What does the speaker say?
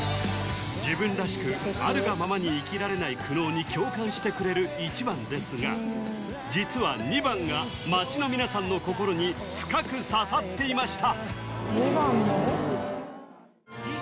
自分らしくあるがままに生きられない苦悩に共感してくれる１番ですが実は２番が街の皆さんの心に深く刺さっていました・